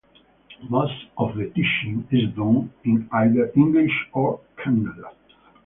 Most of the teaching is done in either English or Kannada.